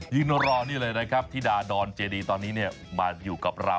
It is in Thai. ยืนรอนี่เลยนะครับธิดาดอนเจดีตอนนี้มาอยู่กับเรา